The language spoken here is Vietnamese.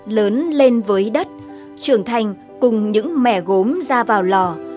lớn lên với đất trưởng thành cùng những mẻ gốm ra vào lò